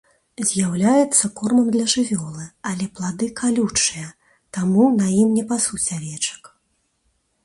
З'яўляецца кормам для жывёлы, але плады калючыя, таму на ім не пасуць авечак.